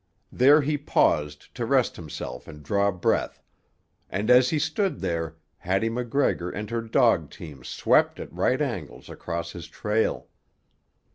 There he paused to rest himself and draw breath, and as he stood there Hattie MacGregor and her dog team swept at right angles across his trail.